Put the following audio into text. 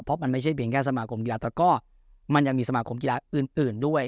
เพราะมันไม่ใช่เพียงแค่สมาคมกีฬาตระก็มันยังมีสมาคมกีฬาอื่นด้วย